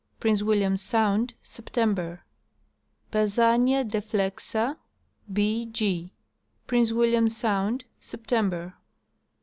Prince William sound, September. Bassania deflexa, Br. Gr. Prince AVilliam sound, September.